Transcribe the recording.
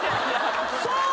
そう。